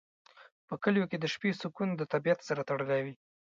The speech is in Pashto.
په کلیو کې د شپې سکون د طبیعت سره تړلی وي.